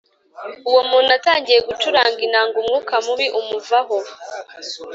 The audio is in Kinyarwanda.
Uwo muntu atangiye gucuranga inanga umwuka mubi umuvaho